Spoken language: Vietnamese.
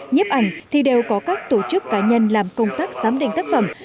nhiếp ảnh thì đều có các tổ chức cá nhân làm công tác giám định tác phẩm